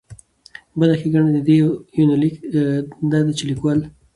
بله ښېګنه د دې يونليک دا ده چې ليکوال